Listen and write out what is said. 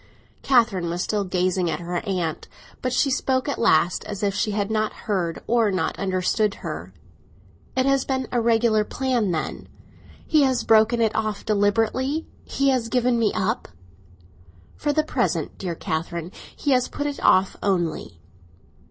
Catherine was still gazing at her aunt, but she spoke at last, as if she had not heard or not understood her. "It has been a regular plan, then. He has broken it off deliberately; he has given me up." "For the present, dear Catherine. He has put it off only."